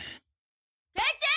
母ちゃん！